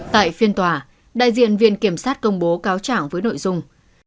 tại phiên tòa đại diện viện kiểm sát công bố cáo chẳng với nội dung